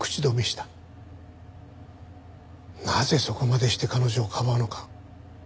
なぜそこまでして彼女をかばうのか？